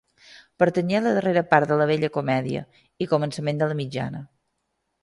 Pertanyé a la darrera part de la vella comèdia i començament de la mitjana.